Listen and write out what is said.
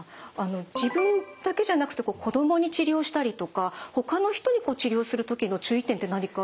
自分だけじゃなくて子供に治療したりとかほかの人に治療する時の注意点って何かありますか？